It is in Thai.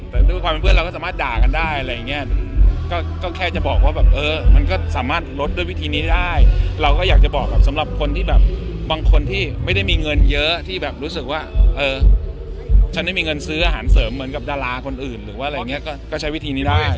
แต่ด้วยความเป็นเพื่อนเราก็สามารถด่ากันได้อะไรอย่างเงี้ยก็แค่จะบอกว่าแบบเออมันก็สามารถลดด้วยวิธีนี้ได้เราก็อยากจะบอกสำหรับคนที่แบบบางคนที่ไม่ได้มีเงินเยอะที่แบบรู้สึกว่าเออฉันไม่มีเงินซื้ออาหารเสริมเหมือนกับดาราคนอื่นหรือว่าอะไรอย่างนี้ก็ใช้วิธีนี้ได้